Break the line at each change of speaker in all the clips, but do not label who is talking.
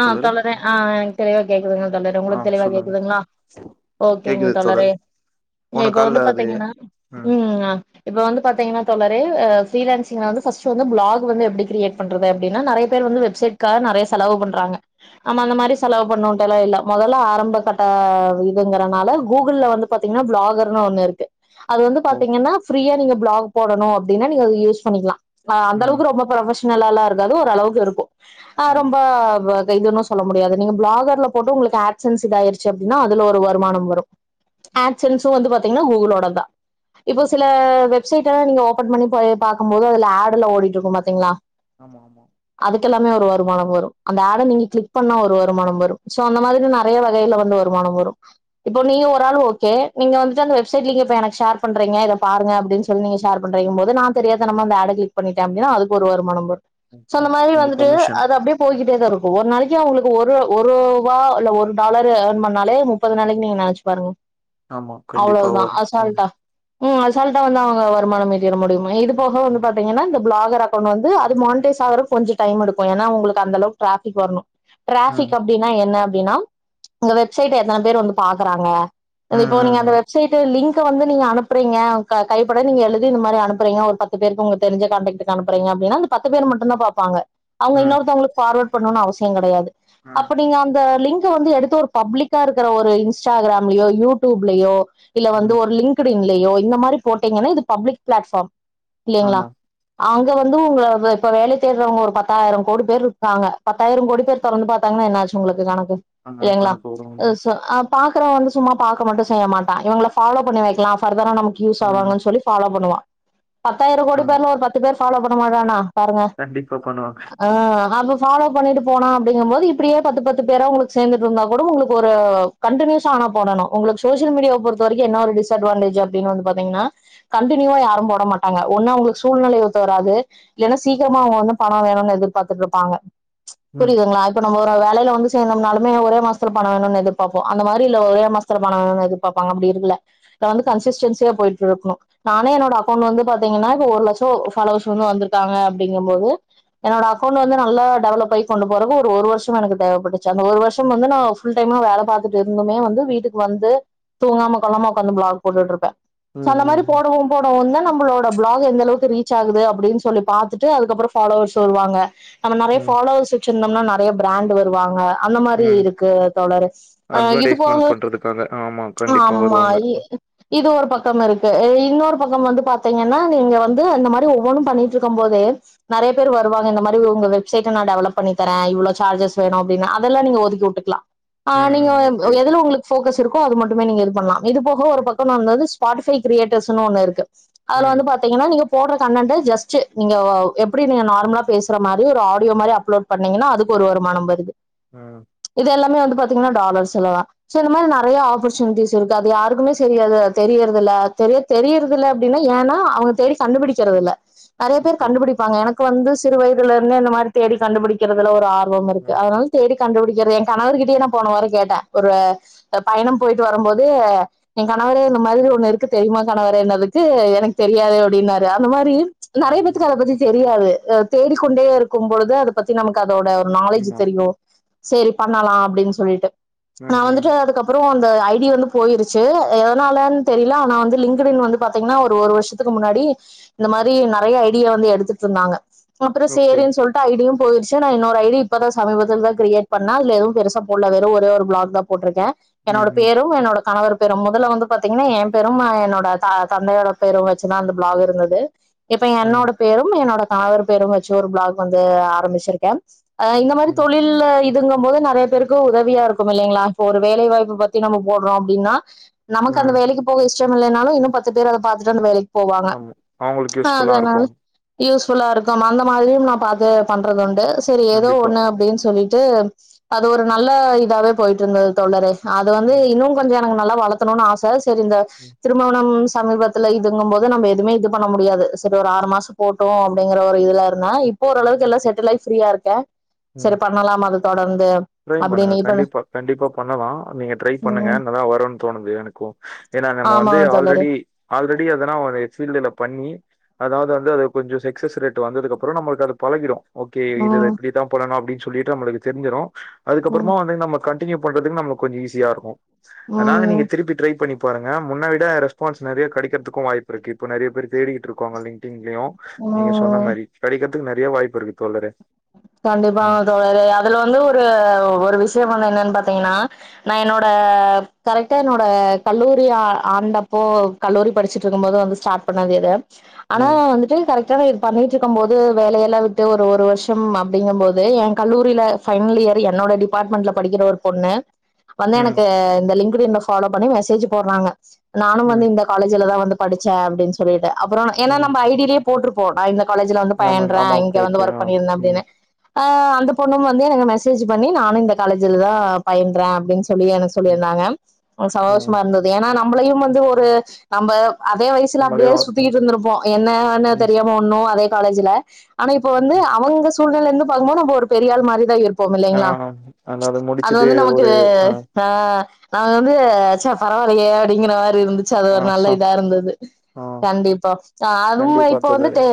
ஆ தோழரே ஆ தெளிவா கேக்குதுங்க தோழரே
ஆ
உங்ளுக்கு தெளிவா
சொல்லுங்க
கேக்குதுங்ளா ஓகேங்க
கேக்குது தோழர்
தோழரே
போன
இப்ப
கால்ல
வந்து
அது
பாத்தீங்கன்னா ம் இப்ப வந்து பாத்தீங்கன்னா தோழரே ப்ரீலான்சிங்ல வந்து ஃபஸ்ட்டு வந்து வ்ளாக் வந்து எப்டி கிரியேட் பண்ரது அப்டின்னா நெறைய பேர் வந்து வெப் செட்கா நெறைய செலவு பண்றாங்க நாம அந்த மாறி செலவு பன்னுட்டெல்லா இல்ல மொதல்ல ஆரம்ப கட்ட இதுங்கறனால கூகுள வந்து பாத்தீங்கன்னா வ்ளாகர்னு ஒண்ணு இருக்கு அது வந்து
ஓ
பாத்தீங்கன்னா ஃப்ரீயா நீங்க வ்ளாக் போடனு அப்டின்னா நீங்க யூஸ் பண்ணிக்கலா
ம்
அந்தளவுக்கு ரொம்ப புரொபஷனல்லாலா இருக்காது ஒரு அளவுக்கு இருக்கு அ
ஆ
ரொம்ப இதுன்னு சொல்ல முடியாது நீங்க வ்ளாகர்ல போட்டு உங்களுக்கு ஆப்சன்ஸ் இதாயிருச்சு அப்டின்னா அதுல ஒரு வருமானம் வரு ஆக்சன்ஸ்சு வந்து பாத்தீங்கன்னா கூகுளோடதா இப்போ
ஓகே
சில வெப்சைட்லா நீங்க ஓபன் பண்ணி போயி பாக்குபோது அதுல ஆடுல ஓடிட்டுருக்கு பாத்தீங்ளா
ஆமா ஆமா
அதுக்கெல்லாமே ஒரு வருமானம் வரு அந்த ஆட நீங்க கிளிக் பண்ண ஒரு வருமானம் வரு சோ அந்த மாதிரி நெறைய வகையில வந்து வருமானம் வரு இப்போ நீங்க ஒரு ஆள் ஓகே நீங்க வந்துட்டு அந்த வெப்சைட் லிங்க இப்ப எனக்கு ஷேர் பண்றீங்க இதை பாருங்க அப்டின்னு சொ சொல்லி நீங்க ஷேர் பண்ரிங் போது நா தெரியாதனமா அந்த ஆட கிளிக் பண்ணிட்டே அப்டின்னா அதுக்கு ஒரு வருமானம் வரு
ஓகே
சோ அந்த
ஓகே
மாதிரி வந்துட்டு
கமிஷன்
அது அப்டியே போயி ட்டே தா இருக்கும் ஒரு நாளைக்கு அவுங்களுக்கு ஒரு ஒரு ரூபா இல்ல ஒரு டாலர் ஏர்ன் பண்ணாலே முப்பது நாளைக்கு நீங்க நெனச்சு பாருங்க
ஆமா கண்டிப்பா
அவ்ளோதா
வரு ம்
அசால்ட்டா ம் அசால்ட்டா வந்து அவுங்க வருமானம் ஈட்டிட முடியு இது போக வந்து
ம்
பாத்தீங்கன்னா இந்த வ்ளாகர் கொண்டு வந்து அது மான்டைஸ் ஆகுரதுக்கு கொஞ்சோ டைம் எடுக்கு ஏனா உங்களுக்கு அந்த அளவுக்கு ட்ராபிக் வரணு டிராபிக்
ம்
அப்டின் னா என்ன அப்டின்னா உங்க வெப்சைட் எத்தன பேர் வந்து பாக்குறாங்க இப்போ நீங்க
ம்
அந்த
ம்
வெப் வெப்சைட் லிங்க் வந்து நீங்க அனுப்றீங்க கைப்பட நீங்க எலுதி இந்த மாரி அனுப்புறீங்க ஒரு பத்து பத்து பேருக்கு உங்க தெரிஞ்ச காண்டெக்ட் அனுப்ரீங்க அப்டீன்னா அந்த பத்து பேரு மட்டு தா பாப்பாங்க அவுங்க
ம்
இன்னொருத்தவங்களுக்கு பார்வேர்ட் பண்ணணுனு அவசியோ கெடையாது
ம் ம்
அப்ப நீங்க அந்த லிங்க்க வந்து எடுத்து த்து ஒரு பப்ளிக்கா இருக்குற ஒரு இன்ஸ்டாகிராம்லயோ யூடியூப்லயோ இல்ல வந்து
ம்
ஒரு லிங்க் க்குது இல்லையோ இந்த மாரி போட்டீங்கன்னா இது பப்ளிக் பிளாட்பார்ம் இல்லிங்ளா
ஆமா
அங்க வந்து உங்க வே இப்ப வேலை தேடுறவங்க ஒரு பத்தாயிரம் கோடி பேர் இருப் காங்க பத்தாயிரம் கோடி பேர் தொரந்து பாத்தாங்கன்னா என்னாச்சு உங்களுக்கு கணக்கு
ஆமா
இல்லைங்ளா
கணக்கு போடுவாங்க
அ ஸ் ஆ பாக்ரவ வந்து சும்மா பாக்க மட்டு செய்ய மாட்டா இவங்கல ஃபாலோ பண்ணி வைக்கலா பர்தரா நமக் யூஸ்
ம்
ஆவங்கன்னு சொல்லி ஃபாலோ பண்ணுவா பத்தாயிரம் கோடி
ஆமா
பேர்ல ஒரு பத்து பேர் ஃபாலோ பண்ண மாட்டானா பாருங்க
கண்டிப்பா பண்ணுவாங்க
ஆ அபோ ஃபாலோ பண்ணிட்டு போனா அப்டிங்கும்போது இப்டியே பத்து பத்து பேரா உங்களுக்கு சேந்துட்டு இருந்தா கூட உங்களுக்கு ஒரு கண்டினியூா ஆனா போடணு ஒங்களுக்கு சோசியல் மீடியாவை பொறுத்த வரைக்கு என்ன ஒரு டிஸ்அட்வான்டேஜ் அப்டின்னு வந்து பாத்தீங்கன்னா கண்டினியூவா யாரு போட மாட்டாங்க ஒன்னு அவங்களுக்கு சூழ்நிலை ஒத்து வராது இல்லன்னா சீக்கிரமா அவங்க வந்து பணம் வேணுன்னு எதிர்பாத்துட்டு இருப்பாங்க
ம்
புரியுதுங்களா இப்ப நம்ம ஒரு வேலைல வந்து சேந்தோம்னாலுமே ஒரே மாசத்துள பணம் வேணுன்னு எதிபாப்போ அந்த மாதிரி இதுல ஒரே மாச த்துல பணோ வேணுன்னு எதிர்பாப்பாங்க அப்டி இல்ல இப்ப வந்து கன்சிஸ்டன்சியா போயிட்டு இருக்கணு நானே என்னோட அக்கௌண்ட் வந்து பாத்தீங்கன்னா இப்ப ஒரு லட்சம் ஃபாலோவர்ஸ் வந்து வந்துருக்காங்க அப்டிங்கும் போது என்னோட அக்கௌண்ட் வந்து நல்ல டெவலப் ஆயி கொண்டு போறதுக்கு ஒரு ஒரு வருஷோ எனக்கு தேவைப்பட்டுச்சு அந்த ஒரு வருஷம் வந்து நா ஃபுல் டைமா வேல பாத்துட்டு இருந்துமே வந்து வீட்டுக்கு வந்து தூங்காம கொல்லாம ஒக்காந்து விளாக் போட்டுட்டு இருப்பே சோ
ம்
அந்த மாதிரி
ம்
போடவு போடவு தா நம்பளோட விளாக் எந்த அளவுக்கு ரீச் ஆகுது அப்டின்னு சொல்லி பாத்துட்டு அதுக்கப்பறோ ஃபாலோவர்ஸ் வருவாங்க நம்ம நிறைய
ம்
ஃபாலோவர்ஸ் வச்சிருந்தோம்னா நெறைய பிராண்டு வருவாங்க அந்த மாரி
ம்
இருக்கு தோழரே ஆ இது
அட்வர்டைஸ்மெண்ட்
போக
பண்றதுக்காக ஆமா கண்டிப்பா
ஆமா
வருவாங்க
இ இது ஒரு பக்கம் இருக்கு இன்னொரு பக்கம் வந்து பாத்தீங்கின்னா நீங்க வந்து இந்த மாதிரி ஒவ்வொன்னும் பண்ணிட்டு இருக்கும் போதே நெறைய பேரு வருவாங்க இந்த மாரி இவுங்க சைட்ட நா டெவலப் பண்ணித் தர்றே இவளோ சார்ஜஸ் வேணு அப்டின்னு அதெல்லா நீங்க ஒதுக்கி விட்டுக்கலா ஆ
ம்
நீங்க
ம் ஓகே ஓகே
எதுல உங்களுக்கு போக்கஸ் இருக்கோ அது மட்டுமே நீங்க இது பண்ணலா இது போக ஒரு
ம்
பக்கன்னா அந்தது ஸ்பாட்டிஃபை கிரியேட்டர்ஸ்ன்னு ஒன்னு இருக்கு அதுல
ம்
வந்து பாத் தீங்கன்னா நீங்க போடுற கண்டன்ட் ஜஸ்டு நீங்க வா எப்டி நீங்க நார்மலா பேசுற மாரி ஒரு ஆ டியோ மாரி அப்லோட் பண்ணீங்கன்னா அது ஒரு வருமானம் வருது
ஆ
இது எல்லாமே வந்து பாத்தீங்கன்னா டாலர்ஸ்ல்லதா சோ இந்த மாரி நெறையா ஆப்பர்ச்சுனிட்டிஸ் இருக்கு அது யாருக்குமே சேரி அத தெரியிறது இல்ல தெரியத் தெரியிறதுல்ல அப்டின்னா ஏன்னா அவங்க தேடி கண்டுபிடிக்கிறது இல்ல நெறையா பேர்
ஓகே
கண்டுபிடிப்பாங்க எனக்கு வந்து சிறு வயதுல இருந்தே இந்த மாரி தேடி கண்டுபிடிக்கிறதுல ஒரு ஆர்வம் இருக்கு
ம்
அதனால தேடி கண்டுபிடிக்கிறது ஏ கணவர் கிட்டயே நா போன வாரோ கேட்டே ஒரு பயணம் போயிட்டு வரும்போது ஏ கணவரே இந்த மாதிரி ஒண்ணு இருக்கு தெரியுமா கணவரேன்னதுக்கு எனக்கு தெரியாதே அப்டின்னாரு அந்த மாரி
ம்
நிறைய
ம்
பேத்துக்கு அத பத்தி தெரியாது தேடிக்கொண்டே இருக்கும்பொழுது அத பத்தி நமக்கு அதோட ஒரு நாலேஜ்
ஆமா
தெரியு சேரி பண்ணலா அப்டின்னு சொல்லிட்டு
ம்
நா
ம்
வந்துட்டு அதுக்கப் அப்பறோ அந்த ஐ டி வந்து போயிருச்சு எதனாலன்னு தெரியல ஆனா வந்து லிங்க்டுஇன் வந்து பாத்தீங்கன்னா ஒரு ஒரு வருஷத் துக்கு முன்னாடி இந்த மாரி நெறையா ஐடிய வந்து எடுத்துட்டு இருந்தாங்க அப்பறோ
ஓகே
சேரின்னு உள்ட்டா ஐடியு போயிருச்சு நா இன்னொரு ஐடி இப்ப தா சமீபத்துல தா கிரியேட் பண்ணே அதுல எதுவு பெருசா போடல வெறு ஒரே ஒரு விளாக் தா போட்ருக்கே
ம்
என்னோட
ம்
பேரு என்னோட கணவர் பேரு மொதல்ல வந்து பாத்தீங்கன்னா ஏ பேரு என்னோட த தந்தையோட பேரு வச்சுதா அந்த பிளாக் இருந்தது இப்ப
ம்
என்னோட பேரும் என்னோட கணவர் பேரும் வச்சு ஒரு பிளாக் வந்து ஆரம்பிச்சிருக்கே ஆ இந்த மாரி
ம்
தொழில்ல இப் இதுங்கும்போது நெறையா பேருக்கு உதவியா இருக்கும் இல்லலைங்களா இப்போ ஒரு வேலைவாய்ப்பு பத்தி நம்ம போடுறோ அப்டின்னா நமக்கு அந்த
ம்
வேலைக்கு போக இஷ்டம் இல்லைன்னாலு இன்னும் பத்து பேர் அத பாத்துட்டு அந்த வேலைக்கு போவாங்க
ஆமா அவங்களுக்கு யூஸ்ஃபுல்லா
அதனால
இருக்கு
யூஸ்ஃபுல்லா இருக்கும் அந்த மாதிரியும் நா பாத்து பண்றது உண்டு சரி ஏதோ
கண்டிப்பா
ஒண்ணு அப்டின்னு சொல்லிட்டு அது ஒரு நல்ல இதாவே போயிட்டு இருந்தது தோழரே‌ அது வந்து
ம்
இன்னும் கொஞ்சோ எனக்கு நல்ல வளத்தணும்னு ஆச சரி இந்த
ம்
திருமவ்ணம் சமூகத்துல இதுங்கும் போது நம்ம எதுமே இது பண்ண முடியாது செரி ஒரு ஆறு மாச போட் டு‌ அப்டிங்கிற ஒரு இதுல இருந்தா இப் ஓரளவுக்கு எல்லா செட்டில் ஆயி ஃப்ரீயா இருக்கே
ம்
செரி பண்ணலாம் அது தொடர்ந்து
ட்ரை பண்ணுங்க
அப்படின்னு இப்ப
கண்டிப்பா கண்டிப்பா பண்ணலா நீங்க ட்ரை பண்ணுங்க
ம்
நல்லா வருன் தோணுது எனக்கு ஏனா நம்ம
ஆமா
வந்து
தோழரே
ஆல்ரெடி ஆல்ரெடி எதனா ஒரு ஃபீல்டுல பண்ணி அதாவ்து வந்து அது கொஞ்ச சக்சஸ் ரேட்டு வந்ததுக்கு அப்றோ நம்மளுக்கு அது பழகிரு ஓகே இதுல
ம்
இப்டித்தா பண்ணணு அப்டின் சொல்லிட்டு நம்மளுக்கு தெரிஞ்சிரு
ம்
அதுக்கப்பறமா வந்து நம்ம கண்டினியூ பண்றதுக்கு நம்மளுக்கு கொஞ்ச ஈஸியா இருக்கு அதனால
ம்
நீங்க திருப்பி ட்ரை பண்ணி பாருங்க முன்னவிட ரெஸ்பான்ஸ் நெறைய கெடைக்கற்துக்கு வாய்ப்பு இருக்கு இப்போ நெறைய பேர் தேடிக்கிட்ருக்காங்க லங்டிங்லயு நீங்க சொன்ன
ம்
மாரி கெடைக்கற்துக்கு நெறைய வாய்ப்பு இருக்கு தோழரே
கண்டிப்பாங்க
ம்.
தோழரே அதுல வந்து ஒரு ஒரு விஷ்யம் வந்து என்னன் பாத்தீங்னா நா என்னோட கரெக்டா என்னோட கல்லூரி ஆ ஆண்டப்போ கல்லூரி படிச்சிட்ருக்கும் போது வந்து ஸ்டார்ட் பண்ணது இது ஆனா
ம்.
வந்துட்டு கரெக்டானது பண்ணிட்ருக்கும் போது வேலையெல்லா விட்டு ஒரு ஒரு வர்ஷ ம் அப்டிங்கம்போது எ கல்லூரில ஃபைனல் இயர் என்னோட டிபார்ட்மெண்ட்ல படிக்கிற ஒரு பொண்ணு வந்து
ம்.
எனக்கு இந்த லிங்க்டு இன்ன ஃபாலோ பண்ணி மெசேஜு போட்றாங்க நானு வந்து
ம்.
இந்த காலேஜுல தா வந்து படிச்சே அப்டின் சொல்லிட்டு அப்றோ ஏனா
ம்.
நம்ப ஐ டி லே போட்ருப்போ நா இந்த காலேஜுல வந்து
நம்ம
பயின்றே
ஆமா
இங்க
ஓகே,
வந்து
ஓகே.
ஒர்க்
ஆ.
பண்ணிருந்தே
ம்.
ஆ அந்த பொண்ணும் வந்து எனக்கு மெசேஜு பண்ணி நானு இந்த காலேஜுல தா பயின்றறே அப்டின் சொல்லி என சொ
ம்.
சொல்லியிருந்தாங்க ஒ
ஆ.
சதோஷமா இருந்தது ஏனா நம்பளையும் வந்து ஒரு நம்ப அதே வயசுல
நம்மளே
அப்டியே சுத்திகிட்டு இருந்திருப்போ என்னவுன்னு
ம்.
தெரியாம ஒன்னு அதே காலேஜுல ஆனா இப்ப வந்து
ம்.
அவங்க சூழ்நில இருந்து பாக்கும் போது நம்ம ஒரு பெரியாள் மாரிதா இருப் போம்
ஆ.
இல்லைங்ளா
அதாவது
அது
முடிச்சுட்டு
வந்து நமக்கு
ஒரு
ஆ நாங்க வந்து ச்ச பரவால்லயே அப்டிங்கிறமாரி இருந்து ச்ச அது
ஆ.
ஒரு நல்ல
ஹ.
இதா இருந்தது
ஆ.
கண்டிப்பா அ அதுவுமே
கண்டிப்பா
இப்ப
தோழரே.
வந்துட்டு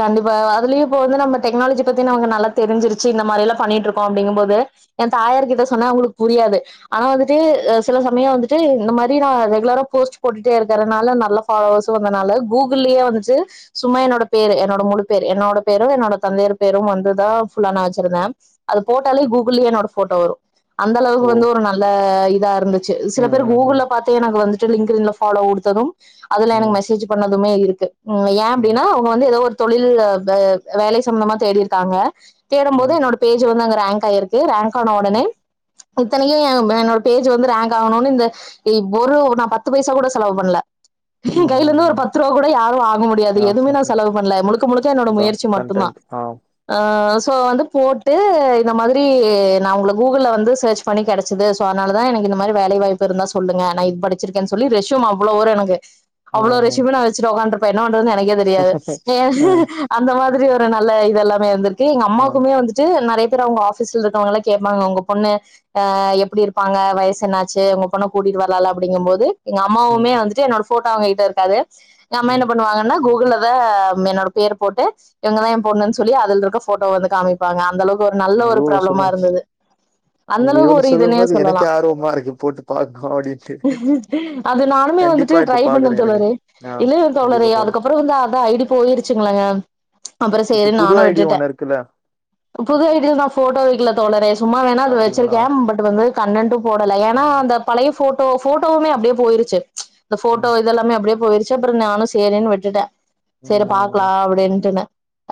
கண்டிப்பா அதுலயே இப்ப வந்து நம்ம டெக்னாலஜி பத்தின் அவ்ங்க நல்லா தெரிஞ்சிருச்சு இந்த மாரிலா பண்ணிட்ருக்கோ அப்டிங்கும்போது எ தாயார் கிட்ட சொன்னா அவ்ங்களுக்கு புரியாது அவ வந்துட்டு அ சில சமய வந்துட்டு இந்த மாரி நா ரெகுலரா போஸ்ட் போட்டுட்டே இருக்கறனால நல்லா ஃபாலோவர்ஸு வந்தனால கூகுள்லயே வந்துட்டு சும்மா என்னோட பேரு என்னோட முழு பேரு என்னோட பேரு என்னோட தந்தையர் பேரு வந்துதா ஃபுல்ல நா வச்சிருந்தே அத போட்டாலே கூகுள்லே என்னோட ஃபோட்டோ வரு அந்த அளவுக்கு
ஓ!
வந்து ஒரு நல்ல இதா இருந்துச்சு
ம்.
சில பேரு
ம்.
கூகுள்ல பாத்தே எனக்கு வந்துட்டு லிங்க்டு இன்ல ஃபாலோ குடுத்ததும் அதுல எனக்கு
ம்.
மெசேஜு பண்ணதுமே இருக்கு ம் ஏ அப்டினா இப்ப வந்து எதோ ஒரு தொழிலு ப வேலை சம்மந்தமா தேடிருக்காங்க
ம். ம்.
தேடம்போது
ம்.
என்னோட பேஜு வந்து அங்க ரேங்க் ஆயிருக்கு ரேங்க் ஆன
ம்.
ஒடனே இத்தனைக்கு என் என்னோட பேஜ் வந்து ரேங்க் ஆகணுனு இந்த இ பொருளு நா பத்து பைசா கூட செலவு பண்ல எ கைலருந்து
ம்.
ஒரு
ம்.
பத்து ரூபா கூட யாரு வாங்க முடி அது
ஆ.
எதுமே நா செலவு பண்ல முழுக்க முழுக்க என்னோட
அதான்
முயற்சி மட்டுந்தா
கன்டென்ட். ஆ
அ சோ வந்து போட்டு இந்த மாதிரி நா ஒங்கள கூகுள்ல வந்து சேர்ச் பண்ணி கெடைச்சது சோ அதனாலதா எனக்கு இந்த மாரி வேலை வாய்ப்பு இருந்தா சொல்லுங்க நா இது படிச்சிருக்கேன் சொல்லி ரெஸ்யூம் அவளோ வரு எனக்கு அவ்ளோ
ம். ம்.
ரெஸ்யூமு நா வெச்சுட்டு‌ ஒக்காந்ட்ருப்பே என்ன பண்றதுன்னு எனக்கே தெரியாது ஏ
ஆ.
அந்த மாதிரி ஒரு நல்ல இதெல்லாமே வந்திருக்கு எங்க
ஆ
அம்மாவுக்குமே வந்துட்டு நெறைய பேரு அவ்ங்க ஆஃபீஸ்ல இருக்கவ்ங்கலா கேப்பாங்க ஒங்க பொண்ணு ஆ எப்டி இருப்பாங்க வயசு என்னாச்சு உங்க பொண்ண கூட்டிட்டு வர்லால அப்டிங்கும் போது எங்க
ம்
அம்மாவுமே வந்துட்டு என்னோட ஃபோட்டோ அவ்ங்க கிட்ட இருக்காது எங்க அம்மா
ம்
என்ன பண்ணுவாங்கனா கூகுள்ல ஆ என்னோட பேர் போட்டு இவங்க தா எ பொண்ணுன்னு சொல்லி அதுல இருக்க ஃபோட்டோவ வந்து காமிப் பாங்க அந்த அளவுக்கு ஒரு நல்ல ஒரு
இவ்ளோ
ப்ராப்ளமா
சொல்லும்
இருந்தது அந்த
நீங்க
அளவுக்கு
இவ்ளோ
ஒரு
சொல்லும்
இதுன்னே
போது
சொல்லலா
எனக்கே ஆர்வமா இருக்கு போட்டு பாக்கணு அப்டின்ட்டு
அது நானுமே வந்துட்டு
கண்டிப்பா இப்ப
ட்ரை பண்ண
பாக்குறே இருங்க
தோழரே
ஆ
இல்லங்க தோழரே
கண்டிப்பா பாரு
அதுக்கப்புறோ வந்து அந்த ஐடி போயிடுச்சுங்களாங்க அப்புறோ சேரின்னு நானு விட்
டி ஒண்ணு இருக்குல்ல
புது ஐடி ல நா ஃபோட்டோ வைக்குல தோழரே சும்மா வேணா அது
அப்டிங்களா
வெச்சிருக்கே பட் வந்து கண்டென்டு போடல ஏன்னா
ம்
அந்த பழைய ஃபோட்டோ ஃபோட்டோவுமே அப்டியே போயிருச்சு இந்த ஃபோட்டோ
ம்
இதெல்லாமே அப்டியே போயிரு அப்புறோ நானு சேரின்னு விட்டுட்டே சரி
ம்
பாக்கலா அப்டின்ட்டுனு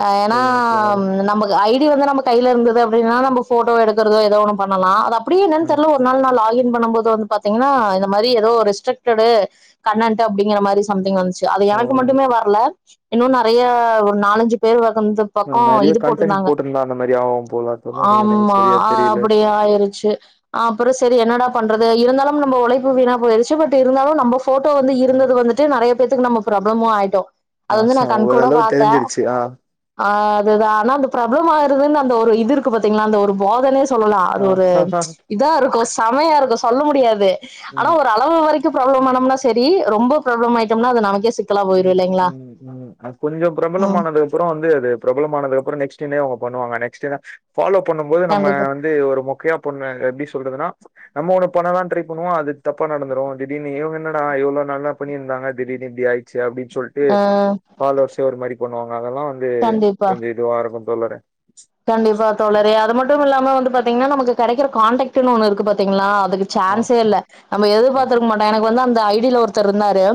அ நா
சரிங்க தோழரே
நமக்கு ஐடி வந்து நம்ம கையில இருந்தது அப்டின்னா நம்ம ஃபோட்டோ எடுக்குறது ஏதோ ஒன்னு பண்ணலா அது அப் அப்டியும் என்னன்னு
ம்
தெர்ல ஒரு நாள் நா லாகின் பண்ணபோது வந்து பாத்தீங்கன்னா இந்த மாறி ஏதோ ஒரு ரெஸ்ட்ரிக்டடு கண்ணன்ட்டு அப்டிங்குற மாறி சம்திங் வந்துச்சு அது
ஓ
எனக்கு மட்டுமே வர்ல இன்னு நெறையா ஒரு நாலஞ்சு பேர் ஒகந்து பக்கோ
நான் நெறைய
இது
கண்டென்ட்
போட்ருந்தாங்க
போட்டிருந்தா அந்த மாரி ஆவும் போல தோழரே எனக்கு
ஆமா
சரியா
அ
தெரியல
அப்டியே ஆயிருச்சு அப்புறோ சரி என்னடா பண்றது இருந்தாலும் நம்ம உழைப்பு வீணா போயிடுச்சு பட் இருந்தாலு நம்ப ஃபோட்டோ வந்து
ம்
இருந்தது வந்துட்டு நறைய பேத்துக்கு நம்ம ப்ராப்ளமு ஆயிட்டோ அது வந்து நா கண்கூட பாத்தே
அப்டியா
அ அதுதா ஆனா அது ப்ராப்ளம் ஆயிருதுன்னு அந்த ஒரு இது இருக்கு பாத்தீங்கன்னா அந்த ஒரு பாதர்னஸ் சொல்லலா அது
ஆ
ஒரு இதா இருக்கு சம்மையா இருக்கு சொல்ல முடியாது ஆனா
ம்
ஒரு அவ் அளவு வரைக்கும் ப்ரபளம் ஆனம்னா சரி ரொம்ப ப்ராப்ளம் ஆயிட்டனா அது நமக்கே செட்
ம் உம் து கொஞ்ச
ம்
பிரபலமானது அப்புறோ வந்து அது பிரபலமானதுக்கு அப்புறோ நெக்ஸ்ட்டுமே அவங்க பண்ணுவாங்க நெஸ்ட்டு தா ஃபாலோ பண்ணு போது நம்ம
கண்டிப்பா
வந்து ஒரு மொக்கையா பொண்ணு எப்படி சொல்றதுன்னா நம்ம ஒன்னு பண்ணலான்னு ட்ரை பண்ணுவோ அது தப்பா நடந்துரு திடீர்னு இவங்க என்னடா இவ்ளோ நல்லா பண்ணிருந்தாங்க திடீர்னு இப்டி ஆயி ட்ச்சு அப்டின்னு சொல்ட்டு
ஆ
போன லோ ஒரு மாறி பண்ணுவாங்க அதெல்லா வந்து
கண்டிப்பா
கொஞ்ச இ துவா இருக்கு தோழரே
கண்டிப்பா தோழரே அது மட்டு இல்லாம வந்து பாத்தீங்கன்னா நமக்கு கெடைக்குற காண்டேக்ட்டுன்னு ஒன்னு இருக்கு பாத்தீங்களா அதுக்கு
ஆ,
சான்சே இல்ல நம்ம
ஆ,
எதிர்பாத்திருக்க மாட்டோ எனக்கு வந்து அந்த ஐடி ல ஒருத்தர் இருந்தாரு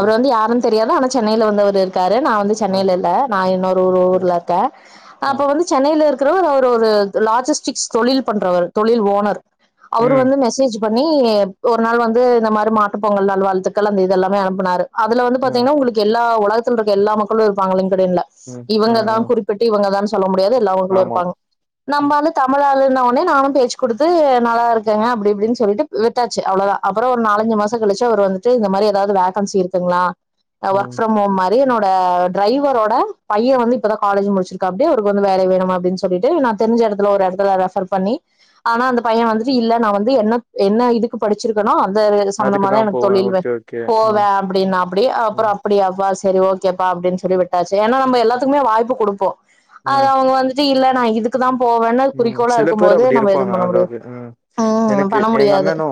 ஆ,
வந்து யாருன் தெரியாது ஆனா சென்னையில வந்து அவரு இருக்காரு நா வந்து
ஆ.
சென்னையில இல்ல நா இன்னொரு ஊரு
ஓகே.
ஊர்ல இருக் கே
ஆ.
அப்ப வந்து சென்னையில இருக்குறவரு அவர் ஒரு லாஜிஸ்டிக்ஸ் தொழில் பண்றவரு தொழில் ஓனரு அவரு
ம்,
வந்து மெசேஜ் பண்ட்ஞ்ட பண்ணி ஒரு நாள் வந்து மாறி மாட்டு பொங்கல் நல்வாழ்த்துக்கள் அந்த இது எல்லாமே அனுப்புனாரு அதுல வந்து
ம், ம்,
பாத்தீங்கன்னா உங்களுக்கு எல்லா உலகத்துல இருக்க எல்லா மக்களு இருப்பாங்க லிங்கிடின்ல
ம்,
இவங்க தா
ம்.
குறிப்பிட்டு இவங்கதா சொல்ல முடியாது எல்லா களு
ஆமா.
இருப்பாங்க நம்ப
ம்.
ஆளு தமிழ் ஆளுன்னா உட்னே நானு பேச்சு குடுத்து நல்லா இருக்கேங்க அப்டி இப்டின்னு சொல்ட்டு விட்டாச்சு அவ்ளோதா அப்புறோ ஒரு நாலஞ்சு மாசொ கழிச்சு அவர் வந்துட்டு இந்த மாறி ஏதாவது வேகன்சி இருக்குங்களா அ ஒர்க்
ம்.
ப்ரம் ஹோம் மா இது என்னோட டிரைவரோட பைய வந்து இப்பதான் காலேஜே முடிச்சிருக்கா அப்டி அவருக்கு வந்து வேல வேனு நம்ம அப்டின்னு சொல்லிட்டு நா தெரிஞ்ச எடத்துல ஒரு எடத்துல ரெஃபர் பண்ணி ஆனா அந்த பைய வந்துட்டு இல்ல நா வந்து என்ன என்ன இதுக் கு படிச்சிருக்கேனோ அந்த
அதுக்கு
சம்பந்தமா தா
தான்
எனக்கு
போவேன்.
தொழில் வே
ஓகே, ஓகே. ஆ.
போவே அப்டின்னாப்டி அப்புறொ
ம்.
அப்டியாப்பா சரி ஓகேப்பா அப்டின்னு சொல்லி விட்டாச்சு ஏன்னா நம்ம எல்லாத்துக்குமே வாய்ப்பு குடுப்போ
ம்.
அத அவங்க வந்து இது இல்ல நா இதுக் க்கு தா போவேன்னு
ம்
குறிக்கோளா
சில
இருக்கும்
பேர்
போது
அப்டி
நம்ம
இருப்பாங்க
எதுவுமக்ஷ பண்ண முடியாது
அதாவது ம்
ம்
எனக்கு
பண்ண
எங்க
முடியாது
அண்ணனு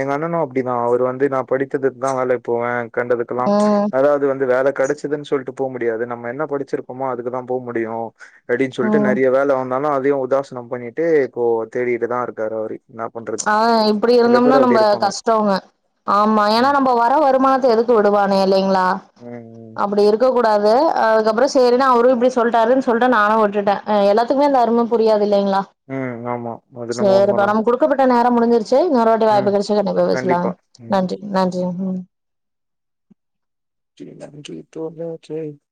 எங்க அண்ணனு அப்டிதா அவரு வந்து நா படித்ததுக்கு தா வேலைக்கு போவே கண்டதுக்கல்லாம்
ம்
அதாது வந்து வேல கடச்சி இதுன்னு சொல்ட்டு போ முடியாது நம்ம என்ன படிச்சிருக்கமோ அதுக்குதான் போ முடியும் அப்டின் சொல்ட்டு
ம்
நறைய வேல வந் ஆனா அதயும் உதாசினம் பண்ணிட்டு இப்போ தேடிட்டு தான் இருக்காரு அவரு என்னா பண்றது
ஆ இப்டி
சில
இருந்தோம்ன்னா
பேர் அப்டி
ரொம்ப
இருப்பாங்க
கஷ்டோங்க ஆமா ஏன்னா
ம்
நம்ம வர வருமானத்த எதுக் வுடுவானே இல்லைங்களா
ம்
அப்டி இருக்க கூ டாது அதுக்கப்புற சேரின்னு அவரும் இப்டி சொல்லிட்டாருன்னு சொல்ட்டு நானும் வுட்டுட்ட எல்லாத்துக்குமே அந்த அரும புரியாது இல்லைங்களா
ம் ம் ஆமா அது என்னமோ
சேரிப்பா
உண்மதா
நம்ம குடுக்கப்பட்ட நேரம் முடிஞ்சிருச்சு இன்னொரு டைமு
ம்
கடைக்கச்சல இன்னொரு பேசுலாம்
கண்டிப்பா
நன்றி நன்றி ம்
[unintelligible]